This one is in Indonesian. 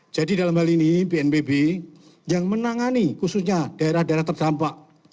jadi dalam hal ini bnpb yang menangani khususnya daerah daerah terdampak